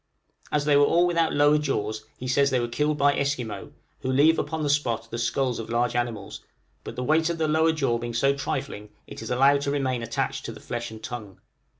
As they were all without lower jaws, he says they were killed by Esquimaux, who leave upon the spot the skulls of large animals, but the weight of the lower jaw being so trifling it is allowed to remain attached to the flesh and tongue.